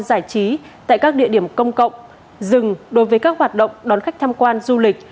giải trí tại các địa điểm công cộng dừng đối với các hoạt động đón khách tham quan du lịch